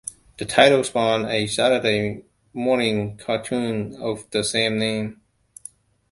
The title spawned a Saturday morning cartoon of the same name.